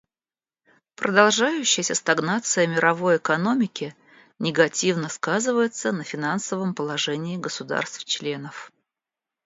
Продолжающаяся стагнация мировой экономики негативно сказывается на финансовом положении государств-членов.